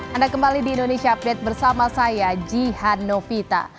anda kembali di indonesia update bersama saya jihan novita